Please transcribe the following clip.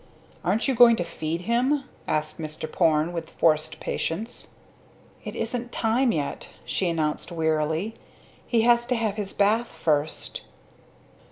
"Aren't you going to feed him?" asked Mr. Porne, with forced patience. "It isn't time yet," she announced wearily. "He has to have his bath first."